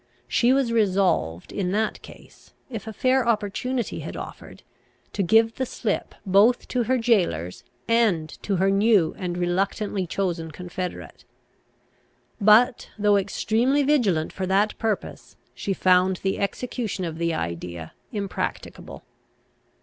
She was resolved, in that case, if a fair opportunity had offered, to give the slip both to her jailors, and to her new and reluctantly chosen confederate. But, though extremely vigilant for that purpose, she found the execution of the idea impracticable.